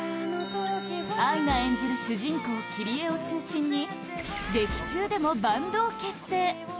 アイナ演じる主人公キリエを中心に劇中でもバンドを結成